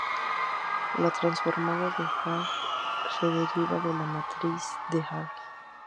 La transformada de Haar se deriva de la matriz de Haar.